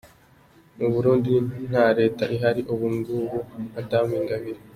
Mu Burundi nta Leta ihari ubu ngubu” Madamu Ingabire .